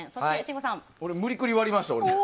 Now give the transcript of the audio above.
無理くり割りました。